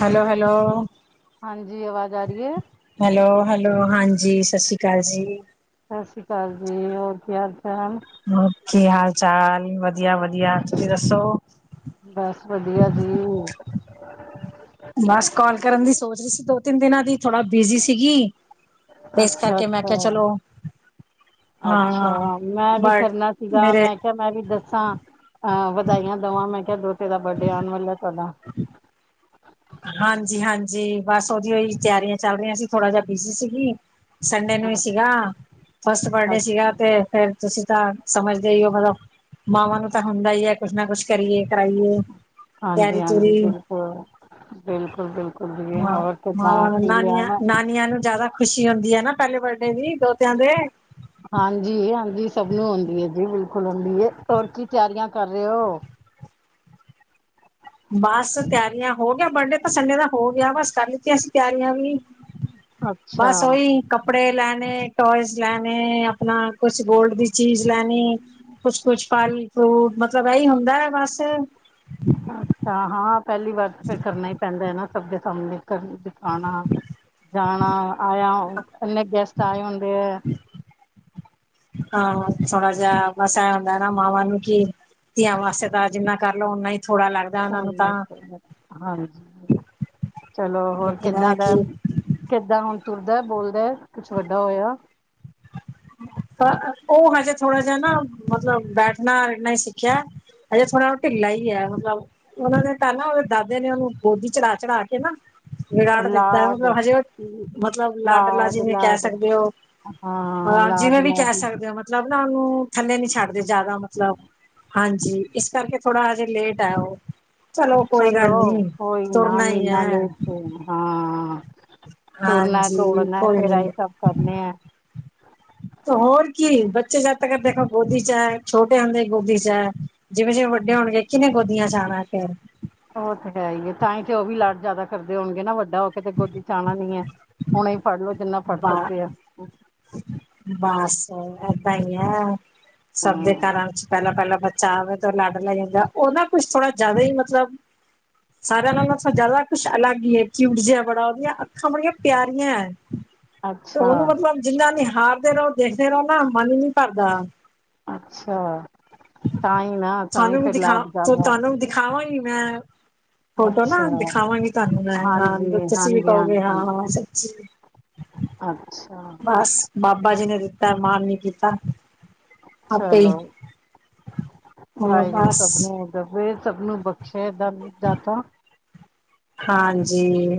Hello hello. ਹਾਂਜੀ, ਆਵਾਜ ਆ ਰੀਐ? ਹੈਲੋ-ਹੈਲੋ, ਹਾਂਜੀ, ਸਸ਼੍ਰੀ ਕਾਲ ਜੀ। ਸਸ੍ਰੀ ਕਾਲ ਜੀ, ਹੋਰ ਕੀ ਹਾਲ-ਚਾਲ? ਓ ਕੀ ਹਾਲ ਚਾਲ? ਵਧੀਆ-ਵਧੀਆ, ਤੁਸੀਂ ਦੱਸੋ। ਬਸ, ਵਧੀਆ ਜੀ। ਬਸ, ਕੋਲ ਕਰਨ ਦੀ ਸੋਚ ਰੀ ਸੀ, ਦੋ-ਤਿੰਨ ਦਿਨਾਂ ਦੀ ਥੋੜਾ ਬੀਜ਼ੀ ਸੀਗੀ। ਤੇ ਇਸ ਕਰਕੇ ਮੈਂ ਅੱਛਾ-ਅੱਛਾ। ਕਿਹਾ ਚਲੋ ਹਾਂ ਅੱਛਾ, ਮੈਂ ਵੀ ਬਟ ਕਰਨਾ ਸੀਗਾ। ਮੇਰੇ ਮੈਂ ਕੇਯਾ ਮੈਵੀ ਦੱਸਾਂ ਅ ਵਧਾਈਆਂ ਦਵਾਂ ਮੈਂ ਕੇਯਾ ਦੋਤੇ ਦਾ ਬਡੇ ਆਉਣ ਵਾਲਾ ਤੁਆਡਾ। [inaudible] ਹਾਂਜੀ-ਹਾਂਜੀ, ਬਸ ਓਦੀਯੋ ਤਿਆਰੀਆਂ ਚੱਲ ਰਈਆਂ ਸੀ, ਥੋੜਾ ਜਾ ਬੀਜ਼ੀ ਸੀਗੀ। ਸੰਡੇ ਨੂੰ ਈ ਸੀਗਾ, ਫਸਟ ਬਰਡੇ ਸੀਗਾ। ਅੱਛਾ ਤੇ ਫੇਰ, ਤੁਸੀਂ ਤਾਂ ਸਮਝਦੇ ਈਓ ਮਤਲਬ ਮਾਵਾਂ ਨੂੰ ਤਾਂ ਹੁੰਦਾ ਹੀਐ, ਕੁਛ ਨਾ ਕੁਛ ਕਰੀਏ ਕਰਾਈਏ। ਤਿਆਰੀ ਹਾਂਜੀ-ਹਾਂਜੀ, ਤੂਰੀ ਬਿਲਕੁਲ, ਬਿਲਕੁਲ-ਬਿਲਕੁਲ ਜੀ ਹੋਰ ਕਿੱਦਾਂ ਕੀ ਲਿਆਣਾ? ਨੀਆਂ ਨੂੰ ਜਾਦਾ ਖੁਸ਼ੀ ਹੁੰਦੀ ਐਨਾ ਪੈਲੇ ਬਰਡੇ ਦੀ, ਦੋਤਿਆਂ ਦੇ। ਹਾਂਜੀ-ਹਾਂਜੀ ਸਭ ਨੂੰ ਹੁੰਦੀ ਏਜੀ ਬਿਲਕੁਲ ਹੁੰਦੀਏ। ਹੋਰ ਕੀ ਤਿਆਰੀਆਂ ਕਰ ਰੇਓ? ਬਸ, ਤਿਆਰੀਆਂ ਹੋ ਗਿਆ ਬਰਡੇ ਸੰਡੇ ਦਾ ਹੋ ਗਿਆ ਬਸ, ਕਰ ਲਿੱਤੀਆਂ ਅਸੀਂ ਤਿਆਰੀਆਂ ਵੀ ਅੱਛਾ ਬਸ, ਓਇ। ਕੱਪੜੇ ਲੈਨੇ, ਟੋਏਸ ਲੈਨੇ, ਅਪਣਾ ਕੁਛ ਗੋਲਡ ਦੀ ਚੀਜ਼ ਲੈਨੀ। ਕੁਛ-ਕੁਛ ਫਲ-ਫਰੂਟ ਮਤਲਬ ਐਹੀ ਹੁੰਦੈ, ਬਸ। ਅੱਛਾ ਹਾਂ ਪੈਂਲੀ ਵਾਰ ਤਾਂ ਫੇਰ ਕਰਨਾ ਈ ਪੈਂਦਾ ਏਨਾ, ਸਭ ਦੇ ਸਾਹਮਣੇ ਕਰ ਦਿਖਾਣਾ। ਜਾਣਾ ਆਏਆ ਏਨੇ ਗੈਸਟ ਆਏ ਹੁੰਦੇ ਐ। ਹਾਂ ਥੋੜਾ ਜੇਆ ਬਸ ਐਏ ਹੁੰਦਾ ਨਾ ਮਾਵਾਂ ਨੂੰ ਕੀ ਧੀਆਂ ਵਾਸਤੇ ਤਾਂ ਜਿੰਨਾ ਕਰ ਲੋ ਓਨਾ ਈ ਥੋੜਾ ਲੱਗ ਹਾਂਜੀ ਚਲੋ ਹੋਰ ਲੇਕਿਨ ਕਿੱਦਾਂ ਇਹ ਦੈ ਕਿ ਕਿੱਦਾਂ ਹੁਣ ਤੁਰਦਾ ਏ, ਬੋਲਦਾ ਏ, ਕੁਛ ਵੱਡਾ ਹੋਏਆ। ਤਾਂ ਓ ਹਜੇ ਥੋੜਾ ਜੇਆ ਨਾ ਮਤਲਬ ਬੈਠਨਾ ਨਈ ਸਿੱਖਿਆ। ਹਜੇ ਥੋੜਾ ਓ ਢਿੱੱਲਾ ਈ ਏ ਮਤਲਬ ਓਨਾ ਨੇ ਤਾਂ ਨਾ ਓਦੇ ਦਾਦੇ ਨੇ ਓਨੂੰ ਗੋਦੀ ਚੜਾ-ਚੜਾ ਕੇ ਨਾ ਉਹ ਵਿਗਾੜ ਦਿੱਤਾ ਏ ਲਾਡ ਮਤਲਬ ਹਜੇ ਓ, ਮਤਲਬ ਲਾਡਲਾ ਲਾਡ ਜਿਵੇਂ ਕੈ ਲਾਡ ਸਕਦੇ ਓ ਹਾਂ ਲਾਡ ਜਿਵੇਂ ਵੀ ਕੈ ਲਾਡ ਸਕਦੇ ਓ ਮਤਲਬ ਨਾ ਓਨੂੰ, ਥੱਲੇ ਨੀ ਛੱਡਦੇ ਜਾਅਦਾ ਮਤਲਬ ਹਾਂਜੀ, ਇਸ ਕਰਕੇ ਥੋੜਾ ਹਜੇ ਲੇਟ ਐ ਓਹੋ ਚਲੋ, ਕੋਈ ਨਾ ਤੁਰਨਾ ਹੀ ਮੀਨਾ ਹੈ ਲੇਟ ਸਈ ਹਾਂ। ਹਾਂਜੀ ਤੁਰਨਾ-ਦੌੜਨਾ ਕੋਈ ਫੇਰ ਨੀ ਆਹੀ ਕੰਮ ਕਰਨੇ ਐ। ਤੋ ਹੋਰ ਕੀ ਬੱਚੇ ਜਦ ਤੱਕ ਦੇਖੋ ਗੋਦੀ ਚੈ ਛੋਟੇ ਹੁੰਦੇ ਗੋਦੀ ਚੈ ਜਿਵੇਂ-ਜਿਵੇਂ ਵੱਡੇ ਹੋਣਗੇ ਕੀਨੇ ਗੋਦੀਆਂ ਚ ਆਣਾ ਫੇਰ ਓ ਤੇ ਹੈ ਈ ਏ ਤਾਂਈ ਤੇ ਓ ਵੀ ਲਾਡ ਜਾਅਦਾ ਕਰਦੇ ਹੋਣਗੇ ਨਾ ਵੱਡਾ ਹੋ ਕੇ ਤੇ ਗੋਦੀ ਚ ਆਣਾ ਨੀ ਏ। ਹੁਣੇ ਈ ਫੜ ਲੋ ਜਿੰਨਾ ਫੜ ਬ ਸਕਦੇ ਆ। ਬਸ ਏਦਾਂ ਈ ਐ ਸਭ ਦੇ ਹਮ ਘਰਾਂ ਚ ਪੈਲਾਂ ਪੈਲਾਂ ਬੱਚਾ ਚਾਵੇ ਤੋਂ ਲਾਡ ਲੈ ਜਾਂਦਾ ਓ ਨਾ ਕੁਸ਼ ਥੋੜਾ ਜਾਅਦਾ ਈ ਮਤਲਬ ਸਾਰੇਆਂ ਨਾਲੋ ਜਾਅਦਾ ਕੁਛ ਅਲੱਗ ਈ ਏ ਕਿਉਟ ਜਿਆ ਬੜਾ ਓਦੀਆਂ ਅੱਖਾਂ ਬੜੀਆਂ ਪਿਆਰੀਆਂ ਐ। ਅੱਛਾ ਓਨੂੰ ਮਤਲਬ ਜਿੰਨਾ ਨੀਹਾਰਦੇ ਰਓ ਦੇਖਦੇ ਰਓ ਨਾ ਮਨ ਈ ਨੀ ਭਰਦਾ। ਅੱਛਾ, ਤਾਂ ਈ ਨਾ ਤਾਂਈ ਫਿਰ ਲਭ ਜਾਂਦਾ। ਖਾਵਾਂ ਈ ਮੈਂ ਫੋਟੋ ਨਾ ਅੱਛਾ ਦਿਖਾਵਾਂਗੀ ਤਾਨੂੰ ਮੈਂ ਹਾਂ ਹਾਂਜੀ ਵੀ ਤੁਸੀਂ ਵੀ ਹਾਂਜੀ ਕਓਗੇ ਹਾਂਜੀ ਹਾਂ-ਹਾਂ ਸੱਚੀ ਅੱਛਾ ਬਸ ਬਾਬਾ ਜੀ ਨੇ ਦਿੱਤਾ ਮਾਨ ਨੀ ਕੀਤਾ। ਆਪੇ ਈ ਚਲੋ ਹੋਰ ਬਸ ਰਬ ਏ ਸਬ ਨੂੰ ਬਖਸੇ਼ ਦ ਦਾਤਾ। ਹਾਂਜੀ।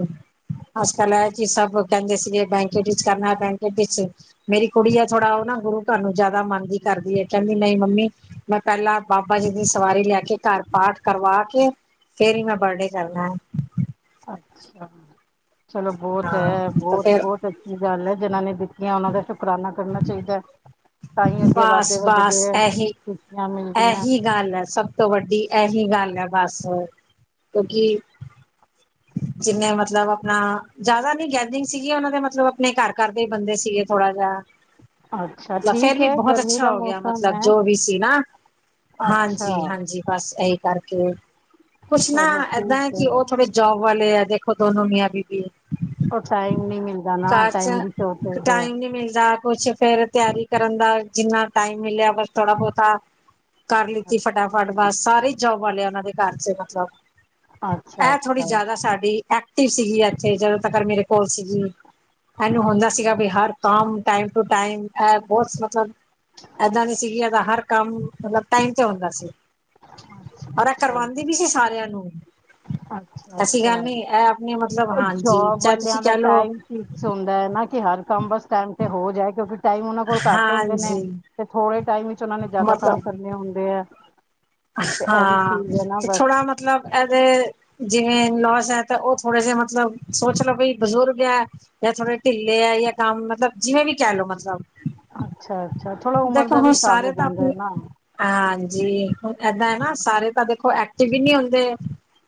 ਅੱਜ-ਕੱਲ ਐ ਚੀਜ਼ ਸਭ ਕੈਂਦੇ ਸੀਗੇ ਬੈਂਕ ਵਿੱਚ ਕਰਨਾ ਬੈਂਕ ਵਿੱਚ ਮੇਰੀ ਕੁੜੀ ਐ ਥੋੜਾ ਓ ਨਾ ਗੁਰੂ ਘਰ ਨੂੰ ਜਾਅਦਾ ਮੰਨਦੀ ਕਰਦੀ ਏ ਕੇਦੀ ਨਈ ਮੰਮੀ ਮੈਂ ਪੈਲਾਂ ਬਾਬਾ ਜੀ ਦੀ ਸਵਾਰੀ ਲੈ ਕੇ ਘਰ ਪਾਠ ਕਰਵਾ ਕੇ ਫੇਰ ਈ ਮੈਂ ਬਰਡੇ ਕਰਨੈ। ਅੱਛਾ ਚਲੋ ਬੋਤ ਏ ਹਾਂ ਤੇ ਫੇਰ ਬੋਤ-ਬੋਤ ਕੀ ਗੱਲ ਏ ਜਿਨਾਂ ਨੇ ਦਿੱਤੀਆਂ ਉਨਾਂ ਦਾ ਸ਼ੁਕਰਾਨਾ ਕਰਨਾ ਚਾਈਦੈ। ਬਾਸ-ਬਾਸ ਖੁਸ਼ੀਆਂ ਮਿਲਦੀਆਂ ਐਹੀ-ਐਹੀ ਗੱਲ ਐ ਸਭ ਤੋਂ ਵੱਡੀ ਏਹੀ ਗੱਲ ਹੈ ਬਸ ਕਿਓਂਕੇ ਜਿੰਨੇ ਮਤਲਬ ਆਪਨਾ ਜਾਅਦਾ ਨੀ ਕੇੈਂਦੀ ਸੀਗੀ ਓਨਾਂ ਦੇ ਮਤਲਬ ਆਪਨੇ ਘਰ-ਘਰ ਦੇ ਬੰਦੇ ਸੀਗੇ ਥੋੜਾ ਜਿਆ, ਅੱਛਾ ਮਤਲਬ ਫੇਰ ਠੀਕ ਵੀ ਹੈ ਬੋਹਤ ਗਰਮੀ ਅੱਛਾ ਦਾ ਹੋ ਗਿਆ ਮੌਸਮ ਮਤਲਬ ਹੈ ਜੋ ਵੀ ਸੀ ਨਾ ਅੱਛਾ ਹਾਂਜੀ-ਹਾਂਜੀ ਬਸ ਐਈ ਕਰਕੇ, ਕੁਸ਼ ਨਾ ਚਲੋ ਏਦਾਂ ਏ ਠੀਕ ਕੇ ਹੈ ਓ ਥੋੜੇ ਜੋਬ ਵਾਲੇ ਆ ਦੇਖੋ ਦੋਨੋ ਮੀਆ-ਬੀਬੀ ਉਹ ਟਾਈਮ ਨਹੀਂ ਮਿਲਦਾ ਨਾ ਘਰ ਟਾਈਮ ਚ ਦੀ ਸ਼ੋਰਟੇਜ ਹੈ ਟਾਈਮ ਨੀ ਮਿਲਦਾ ਕੁਛ ਫੇਰ ਤਿਆਰੀ ਕਰਨ ਦਾ ਜਿੰਨਾ ਟਾਈਮ ਮਿਲਿਆ ਬਸ ਥੋੜਾ ਬੋਤਾ ਕਰ ਲਿੱਤੀ ਫਟਾਫਟ ਬਸ ਸਾਰੇ ਈ ਜੋਬ ਵਾਲੇਆ ਨਾਲੇ ਦੇ ਘਰ ਚ ਈ ਮਤਲਬ ਅੱਛਾ ਥੋੜੀ ਅੱਛਾ ਜਾਦਾ ਸਾਡੀ ਐਕ ਟਿਵ ਸੀਗੀ ਇੱਥੇ ਜਦੋਂ ਤੱਕ ਮੇਰੇ ਕੋਲ ਸੀਗੀ ਇਹਨੂੰ ਹੁੰਦਾ ਅੱਛਾ ਸੀਗਾ ਬ ਹਰ ਕਾਮ ਟਾਈਮ ਟੂ ਟਾਈਮ ਇਹ ਬਹੁਤ ਮਤਲਬ ਏਦਾਂ ਨੀ ਸੀਗੀ ਏਦਾ ਹਰ ਕੰਮ ਮਤਲਬ ਟਾਈਮ ਤੇ ਹੁੰਦਾ ਸੀ ਅੱਛਾ ਔਰ ਇਹ ਕਰਵਾਂਦੀ ਵੀ ਸੀ ਸਾਰਿਆਂ ਨੂੰ ਐਸੀ ਅੱਛਾ-ਅੱਛਾ ਗੱਲ ਨੀ ਇਹ ਆਪਣੇ ਮਤਲਬ ਓ ਹਾਂਜੀ ਜੋਬ ਚਾਹੇ ਤੁਸੀਂ ਵਾਲਿਆਂ ਦਾ ਕਹਿ ਲਓ ਟਾਈਮ ਸੀ ਸੁਣਦਾ ਹੈ ਨਾ ਕਿ ਹਰ ਕੰਮ ਬਸ ਟਾਈਮ ਤੇ ਹੋ ਜਾਏ ਕਿਉਂਕਿ ਟਾਈਮ ਓਨਾਂ ਕੋਲ ਘੱਟ ਹੁੰਦੇ ਨੇ ਹਾਂਜੀ ਤੇ ਥੋੜ੍ਹੇ ਟਾਈਮ ਵਿੱਚ ਉਹਨਾ ਨੇ ਜਿਆਦਾ ਕੰਮ ਮਤਲਬ ਕਰਨੇ ਹੁੰਦੇ ਆ ਤੇ ਇਹ ਵੀ ਹਾਂ, ਚੀਜ਼ ਹੈ ਨਾ ਤੇ ਬਸ ਥੋੜਾ ਮਤਲਬ ਐਦੇ ਜਿਵੇਂ ਇਨ -ਲੋਸ ਹੈ ਤਾਂ ਉਹ ਥੋੜੇ ਜ ਮਤਲਬ ਸੋਚ ਲੋ ਬੀ ਬਜ਼ੁਰਗ ਹੈ ਜਾਂ ਥੋੜੇ ਢਿੱਲੇ ਹੈ ਯਾਂ ਗਮ ਮਤਲਬ ਜਿਵੇਂ ਵੀ ਕਹਿ ਲੋ ਮਤਲਬ ਅੱਛਾ-ਅੱਛਾ ਥੋੜਾ ਉਮਰ ਦੇਖੋ ਦਾ ਵੀ ਹੁਣ ਹਿਸਾਬ ਹੋ ਸਾਰੇ ਤਾਂ ਜਾਂਦਾ ਆਪਣੀ ਹੈ ਨਾ ਹਾਂਜੀ, ਹੁ ਏਦਾਂ ਹੈ ਨਾ ਸਾਰੇ ਤਾਂ ਦੇਖੋ ਐਕਟਿਵ ਹੀ ਨਹੀ ਹੁੰਦੇ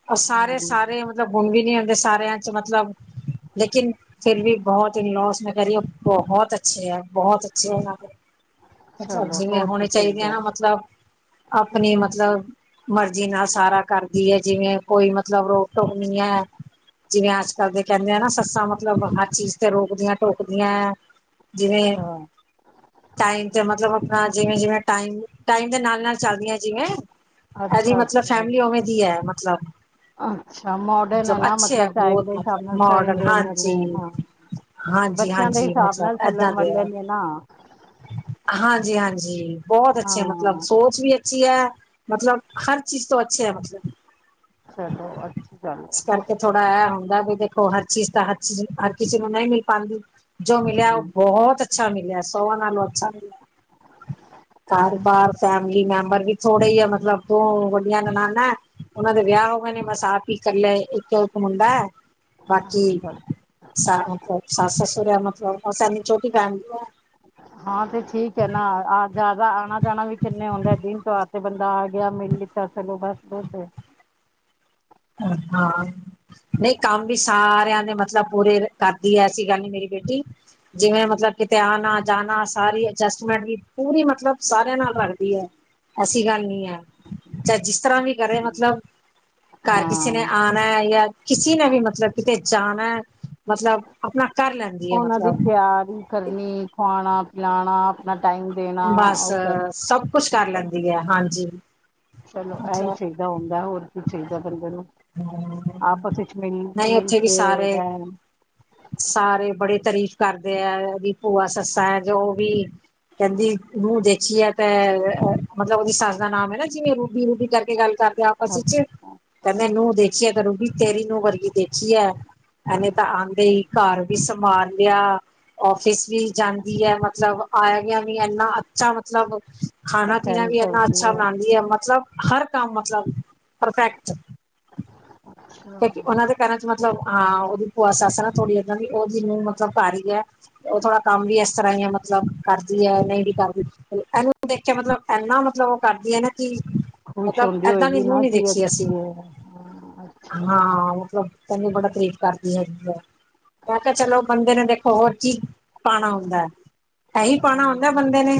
ਉਹ ਹਾਂ ਸਾਰੇ ਸਾਰੇ ਮਤਲਬ ਹੁਣ ਵੀ ਨੀ ਹੁੰਦੇ ਸਾਰਿਆਂ ਚ ਮਤਲਬ ਲੇਕਿਨ ਫਿਰ ਵੀ ਬੋਹਤ ਇਨ ਲੋੌਸ ਮੈਂ ਕ ਰਹੀ ਵਾਂ- ਬੋਹਤ ਅੱਛੇ ਆ, ਬੋਹਤ ਅੱਛੇ ਆ ਇਨਾਂ ਦੇ ਮਤਲਬ ਚਲੋ ਜਿਵੇਂ ਹੋਰ ਕੀ ਹੋਣੇ ਚਾਹੀਦੇ ਚਾਹੀਦਾ ਆ ਨਾ ਹੈ। ਮਤਲਬ ਆਪਨੇ ਮਤਲਬ ਮਰਜ਼ੀ ਨਾਲ ਸਾਰਾ ਕਰਦੀ ਹੈ ਜਿਵੇਂ ਕੋਈ ਮਤਲਬ ਰੋਕ ਟੋਕ ਨੀ ਅ ਜਿਵੇਂ ਅੱਜ ਕੱਲ ਦੇ ਕਹਿੰਦੇ ਆ ਨਾ ਸੱਸਾਂ ਮਤਲਬ ਹਰ ਚੀਜ਼ ਤੇ ਰੋਕਦੀਆਂ ਟੋਕਦੀਆਂ ਜਿਵੇਂ ਅੱਛਾ ਟਾਈਮ ਤੇ ਮਤਲਬ ਆਪਣਾ ਜਿਵੇਂ ਜਿਵੇਂ ਟਾਈਮ ਟਾਈਮ ਦੇ ਨਾਲ ਨਾਲ ਚੱਲਦੀਆਂ ਜਿਵੇਂ ਏਹਦੀ ਅੱਛਾ ਮਤਲਬ ਅੱਛਾ ਫੈਮਿਲੀ ਉਵੇਂ ਦੀ ਹੈ ਮਤਲਬ ਅੱਛਾ ਮੋਡਰਨ ਜਬ ਹੈ ਨਾ ਅੱਛੇ ਹੈ ਮਤਲਬ ਟਾਈਮ ਬਹੁਤ ਦੇ ਹਿਸਾਬ ਮਤਲਬ ਨਾਲ ਮੋਡਨ ਚੇਂਜ ਹੋਣ ਵਾਲੇ ਹਾਂਜੀ ਹਾਂ ਬੱਚਿਆਂ ਦੇ ਹਾਂਜੀ-ਹਾਂਜੀ ਹਿਸਾਬ ਨਾਲ ਮਤਲਬ ਏਦਾਂ ਚੱਲਣ ਦੇ ਵਾਲੇ ਆ ਨੇ ਨਾ ਹਾਂਜੀ- ਹਾਂਜੀ ਬੋਤ ਅੱਛੇ ਮਤਲਬ ਹਾਂ ਸੋਚ ਵੀ ਅੱਛੀ ਅ। ਮਤਲਬ ਹਰ ਚੀਜ਼ ਤੋਂ ਅੱਛੇ ਅ ਮਤਲਬ ਚਲੋ ਅੱਛੀ ਗੱਲ ਅ ਤੇ ਥੋੜਾ ਇਹ ਹੁੰਦਾ ਵੀ ਦੇਖੋ ਹਰ ਚੀਜ਼ ਤਾਂ ਹਰ ਚੀਜ਼ ਹਰ ਕਿਸੀ ਨੂੰ ਨਈ ਮਿਲ ਪਾਂਦੀ ਜੋ ਮਿਲਿਆ ਉਹ ਹਮ, ਬੋਹਤ ਅੱਛਾ ਮਿਲਿਆ ਸੋਵਾ ਨਾਲੋ ਘਰ ਬਾਰ ਫੈਮ ਲੀ ਮੈਂਬਰ ਵੀ ਥੋੜੇ ਇ ਅ ਮਤਲਬ ਦੋ ਵੱਡੀਆਂ ਨਨਾਨਾਂ ਅ ਓਹਨਾਂ ਦੇ ਵਿਆਹ ਹੋ ਗਏ ਨੇ ਬਸ ਆਪ ਹੀ ਕੱਲਾ ਅ ਇੱਕ ਉ ਇੱਕ ਮੁੰਡਾ ਅ- ਬਾਕੀ ਚਲੋ, ਸਾ ਮਤਲਬ ਸੱਸ ਸਸੁਰ ਅ ਮਤਲਬ ਬਸ ਛੋਟੀ ਫੈਮਲੀ ਐ ਹਾਂ ਤੇ ਠੀਕ ਅ ਨਾ ਜਾਦਾ ਆਨਾ ਜਾਨਾ ਵੀ ਕਿੰਨੇ ਹੁੰਦੇ ਆ ਦਿਨ ਤਯੋਆਰ ਥੇ ਬੰਦਾ ਆ ਗਿਆ ਮਿਲ ਲਿਤਾ ਚਲੋ ਬਸ ਬੋਤ ਏ [unintelligible] ਨਯੀ ਕੰਮ ਵੀ ਸਾਰਿਆਂ ਦੇ ਮਤਲਬ ਪੂਰੇ ਕਰਦੀ ਅ ਐਸੀ ਗੱਲ ਨੀ ਮੇਰੀ ਬੇਟੀ ਜਿਵੇਂ ਮਤਲਬ ਕਿਤੇ ਆਨਾ ਜਾਨਾ ਸਾਰੀ ਅਜਸਟਮੈਂਟ ਵੀ ਪੂਰੀ ਮਤਲਬ ਸਾਰਿਆਂ ਨਾਲ ਰਲਹੀ ਅ ਐਸੀ ਗੱਲ ਨੀ ਹੈ। ਚਾਏ ਜਿਸ ਤਰ੍ਹਾਂ ਵੀ ਕਰੇ ਮਤਲਬ ਘਰ ਹਾਂ ਕਿਸੀ ਨੇ ਆਨਾ ਯਾ ਕਿਸੀ ਨੇ ਵੀ ਮਤਲਬ ਕਿਤੇ ਜਾਨਾ ਮਤਲਬ ਆਪਨਾ ਕਰ ਲੈਂਦੀ ਐ ਉਹਨਾਂ ਮਤਲਬ [unintelligible] ਕਰਨੀ ਖਵਾਣਾ, ਪਿਲਾਣਾ, ਆਪਣਾ ਟਾਈਮ ਦੇਣਾ ਬਸ ਉਹ ਸਭ ਕੁਛ ਕਰ ਲੈਂਦੀ ਅ ਹਾਂਜੀ ਚਲੋ ਏਹੀ ਮਤਲਬ ਚਇਦਾ ਹੁੰਦਾ ਹੋਰ ਕੀ ਚਇਦਾ ਬੰਦੇ ਨੂੰ ਆਪਸ ਵਿੱਚ ਮਿਲ- ਨਹੀਂ ਮਿਲ ਉੱਥੇ ਵੀ ਕੇ ਸਾਰੇ ਰਹਿਣ ਸਾਰੇ ਬੜੀ ਤਾਰੀਫ਼ ਕਰਦੇ ਐ‌। ਉਹਦੀ ਭੂਆ ਸੱਸਾ ਹੈ ਜੋ ਵੀ ਕਹਿੰਦੀ, ਨੂੰਹ ਦੇਖੀ ਐ ਤੇ ਅ ਮਤਲਬ ਉਹਦੀ ਸੱਸ ਦਾ ਨਾਮ ਐ ਨਾ ਜਿਵੇਂ ਰੂਬੀ-ਰੂਬੀ ਕਰਕੇ ਗੱਲ ਕਰਦੇ ਆ ਅਸਲ 'ਚ, ਕਹਨੇ ਨੂੰਹ ਦੇਖੀ ਐ ਤਾ ਰੁਬੀ ਤੇਰੀ ਨੂੰਹ ਵਰਗੀ ਦੇਖੀ ਐ। ਐਨੇ ਤਾਂ ਆ 'ਤੇ ਘਰ ਵੀ ਸਮਾਰ ਲਿਆ। ਔਫਿਸ ਵੀ ਜਾਂਦੀ ਐ। ਮਤਲਬ ਆਇਆ- ਗਿਆ ਵੀ ਐਨਾ ਅੱਛਾ ਮਤਲਬ ਖਾਣਾ -ਪੀਣਾ ਅਟੈਂਡ ਵੀ ਐਨਾ ਕਰਦੀ ਅੱਛਾ ਹੈ ਬਣਾਂਦੀ ਐ। ਮਤਲਬ ਹਰ ਕੰਮ, ਮਤਲਬ ਪਰਫੈਕਟ। ਕਿਉਂਕਿ ਉਹਨਾ ਦੇ ਘਰਾਂ 'ਚ ਮਤਲਬ ਹਾਂ, ਉਹਦੀ ਭੂਆ- ਸੱਸ ਨਾ, ਥੋੜ੍ਹੀ ਏਦਾਂ ਦੀ, ਉਹਦੀ ਨੂੰਹ ਮਤਲਬ ਘਰ ਈ ਐ। ਉਹ ਥੋੜਾ ਕੰਮ ਵੀ ਐਸ ਤਰ੍ਹਾਂ ਹੀ, ਮਤਲਬ ਕਰਦੀ ਐ, ਨਈਂ ਵੀ ਕਰਦੀ। ਐਨੂੰ ਦੇਖ ਕੇ ਮਤਲਬ ਐਨਾ, ਮਤਲਬ ਉਹ ਕਰਦੀ ਐ ਨਾ ਕਿ, ਖੁਸ਼ ਮਤਲਬ ਹੁੰਦੀ ਏਦਾਂ ਦੀ ਹੋਏਗੀ ਨੂੰਹ ਨਾ ਨੀ ਕਿ ਦੇਖੀ ਅੱਛੀ ਅਸੀਂ। ਹੈ। ਅੱਛਾ। ਹਾਂ, ਮਤਲਬ ਤੈਨੂੰ ਬੜਾ ਤਾਰੀਫ ਕਰਦੀ ਹੈਗੀਐ। ਮੈਂ ਕੇਆ ਚਲੋ ਬੰਦੇ ਨੇ ਦੇਖੋ ਹੋਰ ਕੀ, ਪਾਣਾ ਹੁੰਦੈ। ਐਹੀ ਪਾਉਣਾ ਹੁੰਦੈ ਬੰਦੇ ਨੇ।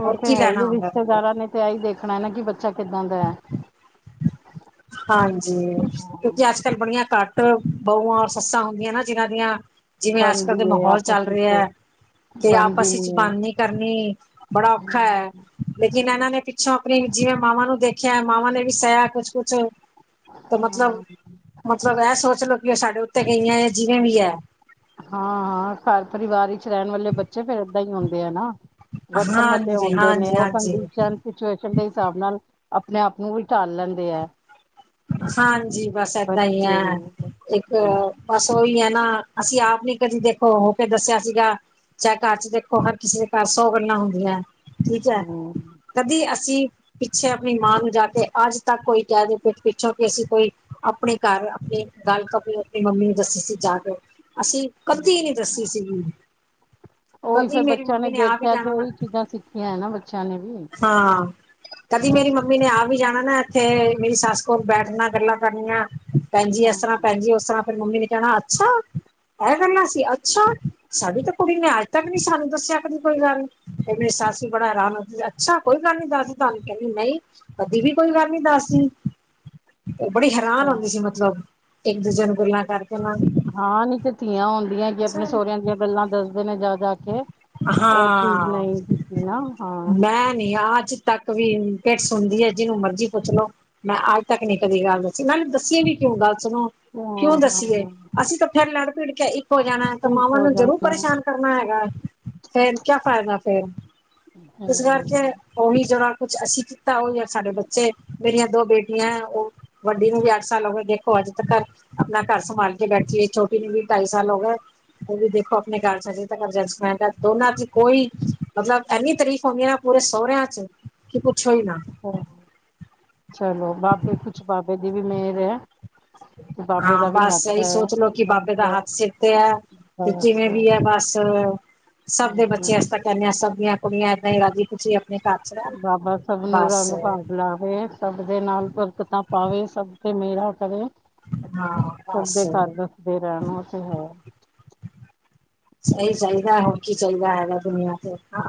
ਉਹ ਹੋਰ ਤੇ ਕੀ ਹੈ ਲੈਣਾ ਹੀ ਹੁੰਦੈ ਬੰਦੇ ਰਿਸ਼ਤੇਦਾਰਾਂ ਨੇ। ਤੇ ਐਹੀ ਦੇਖਣਾ ਨਾ, ਕਿ ਬੱਚਾ ਕਿੱਦਾਂ ਦੈ? [unintelligible] ਹਾਂਜੀ। ਕਿਉਂਕਿ ਅੱਜ-ਕੱਲ ਬੜੀਆਂ ਘੱਟ ਬਹੁਆਂ - ਸੱਸਾਂ ਹੁੰਦੀਆਂ ਨਾ, ਜਿਹਨਾਂ ਦੀਆਂ ਜਿਵੇਂ ਬਣਦੀ ਅੱਜ-ਕਲ ਦੇ ਹੈ ਮਾਹੌਲ ਆਪਸ ਚੱਲ ਵਿੱਚ ਰਿਐ। 'ਤੇ ਬਣਦੀ ਆਪਸ 'ਚ ਹੈ। ਗਲ ਨੀ ਕਰਨੀ, ਬੜਾ ਔਖਾ ਐ। ਲੇਕਿਨ ਇਹਨਾਂ ਨੇ ਪਿੱਛੋਂ ਆਪਣੀ ਜਿਵੇਂ ਮਾਵਾਂ ਨੂੰ ਦੇਖਿਆ। ਮਾਵਾਂ ਨੇ ਵੀ ਸੇਆ ਕੁਛ-ਕੁਛ। ਤੇ ਮਤਲਬ, ਮਤਲਬ ਐਹ ਸੋਚ ਲਓ, ਕਿ ਐਹ ਸਾਡੇ ਉੱਤੇ ਗਈਐਂ। ਜਿਵੇਂ ਵੀ ਹੈ। ਹਾਂ-ਹਾਂ। ਘਰ - ਪਰਿਵਾਰ ਵਿੱਚ ਰਹਿਣ ਵਾਲੇ ਬੱਚੇ ਫਿਰ ਏਦਾਂ ਈ ਹੁੰਦੇ ਆ ਨਾ। ਵਰਤਣ ਵਾਲੇ ਹਾਂਜੀ ਹੁੰਦੇ ਨੇ, ਹਾਂਜੀ ਉਹ ਹਾਂਜੀ ਕੰਡੀਸ਼ਨ ਸਿਚੁਏਸ਼ਨ ਦੇ ਹਿਸਾਬ ਨਾਲ ਆਪਣੇ ਆਪ ਨੂੰ ਵੀ ਢਾਲ ਲੈਂਦੇ ਐ। ਹਾਂਜੀ। ਬਸ ਏਦਾਂ ਈ ਬੱਚੇ ਵੀ ਐ। ਇੱਕ ਬਸ ਓਹੀ ਐ ਨਾ, ਅਸੀਂ ਆਪ ਨੀ ਕਦੀ ਦੇਖੋ, ਹੋ ਕੇ ਦੱਸਿਆ ਸੀਗਾ। 'ਚਾਹੇ ਘਰ ਚ ਦੇਖੋ, ਹਰ ਕਿਸੀ ਦੇ ਘਰ ਸੌ ਗੱਲਾਂ ਹੁੰਦੀਐ। ਠੀਕ ਐ। ਹੂੰ ਕਦੀ ਅਸੀਂ ਪਿੱਛੇ ਆਪਣੀ ਮਾਂ ਨੂੰ ਜਾ ਕੇ ਅੱਜ -ਤੱਕ ਕੋਈ ਕਹਿ ਦੇ ਪਿਠ ਪਿੱਛੋਂ, ਕਿ ਅਸੀਂ ਕੋਈ ਆਪਣੇ ਘਰ ਆਪਣੀ ਗੱਲ ਕਦੀ ਆਪਣੀ ਮੰਮੀ ਨੂੰ ਦੱਸੀ ਸੀ ਜਾ ਕੇ। ਅਸੀਂ ਕਦੀ ਨੀ ਦੱਸੀ ਸੀਗੀ। ਉਹੀ ਕਦੀ ਫੇਰ ਮੇਰੀ ਬੱਚਿਆਂ ਮੰਮੀ ਨੇ ਆ ਵੀ ਦੇਖਿਆ ਤੇ ਜਾਣਾ ਨਾ, ਉਹੀ ਚੀਜ਼ਾਂ ਸਿੱਖੀਆਂ ਹੈ ਨਾ ਬੱਚਿਆਂ ਨੇ ਵੀ। ਹਾਂ। ਕਦੀ ਮੇਰੀ ਮੰਮੀ ਨੇ ਆ ਵੀ ਜਾਣਾ ਨਾ ਤੇ ਮੇਰੀ ਸੱਸ ਕੋਲ ਬੈਠਨਾ, ਗੱਲਾਂ ਕਰਨੀਆਂ। ਭੈਨਜੀ ਐਸ ਤਰ੍ਹਾਂ, ਅੱਛਾ ਭੈਨਜੀ ਔਸ ਤਰ੍ਹਾਂ। ਫੇਰ ਮੰਮੀ ਨੇ ਕਹਿਣਾ, ਅੱਛਾ। ਆਹ ਗਲਾਂ ਸੀ, ਅੱਛਾ। ਸਾਡੀ ਤਾਂ ਕੁੜੀ ਨੇ ਅੱਜ ਤੱਕ ਨੀ ਸਾਨੂੰ ਦੱਸਿਆ, ਕਦੀ ਕੋਈ ਗੱਲ। 'ਤੇ ਮੇਰੀ ਸੱਸ ਈ ਬੜਾ ਹੈਰਾਨ ਹੁੰਦੀ ਸੀ। ਅੱਛਾ, ਕੋਈ ਗੱਲ ਨੀ ਦੱਸਦੀ ਤੁਹਾਨੂੰ? ਕਹਿੰਦੀ, ਨਈ। ਕਦੀ ਵੀ ਕੋਈ ਗੱਲ ਨੀ ਦੱਸਦੀ। ਔਹ ਬੜੀ ਹੈਰਾਨ ਹੁੰਦੀ ਸੀ ਮਤਲਬ, ਇੱਕ -ਦੂਜੇ ਨੂੰ ਗੱਲਾਂ ਕਰਕੇ ਨਾ ਹਾਂ, ਨਈ ਤੇ ਧੀਆਂ ਹੁੰਦੀਆਂ ਕਿ ਆਪਣੇ ਸਹੁਰਿਆਂ ਦੀਆਂ ਗੱਲਾਂ ਦੱਸਦੇ ਨੇ ਜਾ ਕੇ। ਜਾ ਕੇ, ਉਹ ਚੀਜ਼ ਹਾਂ ਨਈਂ ਕੀਤੀ ਨਾ? ਹਾਂ। ਤੇ ਹਾਂ ਅੱਜ-ਤੱਕ ਵੀ ਪਿੱਠ ਸੁਣਦੀ ਏ, ਜਿਨੂੰ ਮਰਜ਼ੀ ਪੁੱਛ ਲੋੋ। ਮੈਂ ਅੱਜ-ਤੱਕ ਨੀ ਕਦੀ ਗੱਲ ਦੱਸੀ। ਨਾਲੇ ਦੱਸੀਏ ਵੀ ਕਿਉਂ? ਗੱਲ ਸੁਣੋ। ਕਿਉਂ ਹਾਂ ਦੱਸੀਏ? ਹਾਂ ਅਸੀਂ ਤਾਂ ਫਿਰ ਲੜ- ਭਿੜ ਕੇ ਇੱਕ ਹੋ ਜਾਣੈ, ਤਾਂ ਠੀਕ ਮਾਵਾਂ ਹੋ ਨੂੰ ਜ਼ਰੂਰ ਜਾਣਾ ਪਰੇਸ਼ਾਨ ਕਰ ਨਾ ਹੈਗਾ, ਫਿਰ ਕਿਆ ਫ਼ਾਇਦਾ ਫਿਰ। ਇਸ ਕਰਕੇ ਹਮ ਔਹੀ ਜਿਹੜਾ ਕੁਛ ਅਸੀਂ ਕੀਤਾ, ਔਹ ਵੀ ਸਾਡੇ ਬੱਚੇ। ਮੇਰੀਆਂ ਦੋ ਬੇਟੀਆਂ ਐ, ਓ ਵੱਡੀ ਨੂੰ ਵੀ ਅੱਠ ਸਾਲ ਹੋ ਗਏ। ਦੇਖੋ, ਅੱਜ ਤੱਕਰ ਆਪਣਾ ਘਰ ਸੰਭਾਲ ਕੇ ਬੈਠੀ ਏ। ਛੋਟੀ ਨੂੰ ਵੀ ਢਾਈ ਸਾਲ ਹੋ ਗਏ। ਉਹ ਵੀ ਦੇਖੋ, ਆਪਣੇ ਘਰ 'ਚ ਹ ਅਡਜਸਟਮੈਂਟ ਐ ਦੋਨਾਂ 'ਚ ਕੋਈ, ਮਤਲਬ ਐਨੀ ਤਾਰੀਫ਼ ਹੁੰਦੀ ਏ ਐ ਨਾ ਪੂਰੇ ਸੋਹਰੇਆਂ 'ਚ ਕਿ, ਪੁੱਛੋ ਈ ਨਾ। ਹਾਂ, ਚਲੋ ਬਾਬੇ, ਕੁਛ ਬਾਬੇ ਦੀ ਵੀ ਮੇਹਰ ਏ। ਹਾਂ, ਬਸ ਏਈ ਸੋਚ ਲੳ, ਕਿ ਬਾਬੇ ਦਾ ਬਸ ਹੱਥ ਸਿਰ 'ਤੇ ਐ। 'ਤੇ ਬਸ ਜਿਵੇਂ ਵੀ ਐ, ਬਸ। ਸਬ ਦੇ ਬੱਚੇ ਹਾਂਜੀ ਅਸੀਂ ਤਾਂ ਕੇਂਨੇ ਆਂ, ਸਬ ਦੀਆਂ ਕੁੜੀਆਂ ਏਦਾਂ ਈ ਰਾਜੀ ਖੁਸ਼ੀ ਆਪਨੇ ਘਰ ਚ ਰਹਿਣ ਬਾਬਾ, ਸਬ ਨੂੰ ਬਸ ਰੰਗ ਭਾਗ ਲਾਵੇ ਸਬ ਦੇ ਨਾਲ ਬਰਕਤਾਂ ਪਾਵੇ, ਸਬ ਤੇ ਮੇਹਰਾਂ ਕਰੇ, ਹਾਂ ਸਬ ਬਸ ਦੇ ਘਰ ਫੇਰ ਰੈਣਾ ਤੇ ਹੈ। ਓਈ ਚਾਈਦਾ ਹੋਰ ਕੀ ਚਾਈਦਾ ਹੈਗਾ ਦੁਨੀਆਂ ਤੇ ਆ,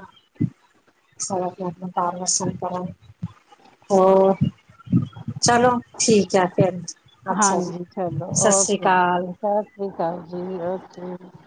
ਸਬ ਆਪਨੇ -ਆਪਨੇ [unintelligible] ਹੋਰ ਚਲੋ ਠੀਕ ਐ ਫੇਰ, ਅੱਛਾ ਜੀ ਹਾਂਜੀ ਚਲੋ ਸਤਿ ਸ਼੍ਰੀ ਓਕੇ ਕਾਲ। ਜੀ ਸਤਿ ਸ੍ਰੀ ਕਾਲ ਜੀ, ਓਕੇ।